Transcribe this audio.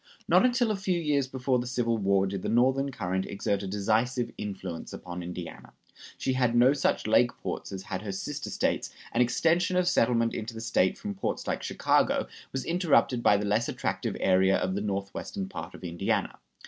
Not until a few years before the Civil War did the Northern current exert a decisive influence upon Indiana. She had no such lake ports as had her sister States, and extension of settlement into the State from ports like Chicago was interrupted by the less attractive area of the northwestern part of Indiana.